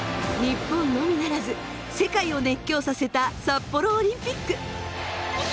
日本のみならず世界を熱狂させた札幌オリンピック。